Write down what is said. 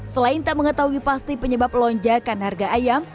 selain tak mengetahui pasti penyebab lonjakan harga ayam